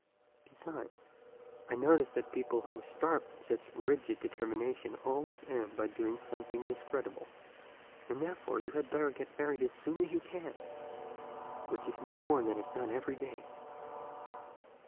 Besides, I notice that people who start with such rigid determinations always end by doing something discreditable, and therefore you had better get married as soon as you can, which is no more than is done every day."